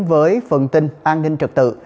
với phần tin an ninh trực tự